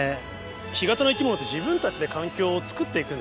干潟の生き物って自分たちで環境をつくって行くんですね。